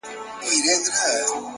مثبت ذهن د حل لارې لټوي